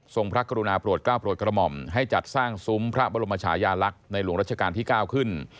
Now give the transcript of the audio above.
พระกรุณาโปรดกล้าโปรดกระหม่อมให้จัดสร้างซุ้มพระบรมชายาลักษณ์ในหลวงรัชกาลที่๙ขึ้น